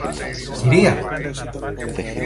Κυρία!